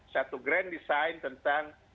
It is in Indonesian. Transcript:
satu grand design tentang